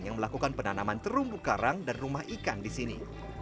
yang melakukan penanaman terumbu karang dan rumah ikan di sini